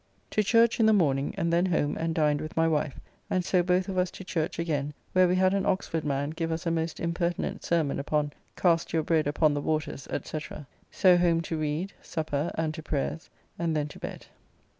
To church in the morning, and then home and dined with my wife, and so both of us to church again, where we had an Oxford man give us a most impertinent sermon upon "Cast your bread upon the waters, &c. So home to read, supper, and to prayers, and then to bed.